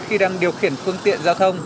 khi đang điều khiển phương tiện giao thông